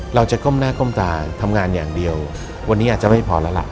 ก้มหน้าก้มตาทำงานอย่างเดียววันนี้อาจจะไม่พอแล้วล่ะ